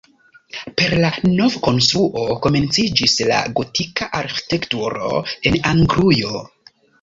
Per la novkonstruo komenciĝis la gotika arĥitekturo en Anglujo.